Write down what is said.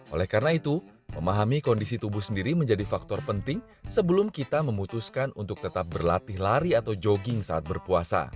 oleh karena itu memahami kondisi tubuh sendiri menjadi faktor penting sebelum kita memutuskan untuk tetap berlatih lari atau jogging saat berpuasa